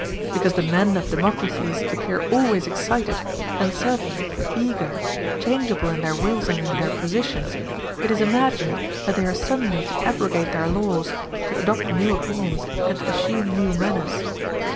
Because the men of democracies appear always excited, uncertain, eager, changeable in their wills and in their positions, it is imagined that they are suddenly to abrogate their laws, to adopt new opinions, and to assume new manners.